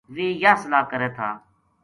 ویہ یاہ صلاح کرے تھا